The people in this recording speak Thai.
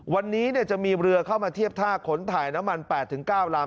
วันนี้จะมีเรือเข้ามาเทียบท่าขนถ่ายน้ำมัน๘๙ลำ